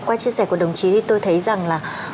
qua chia sẻ của đồng chí thì tôi thấy rằng là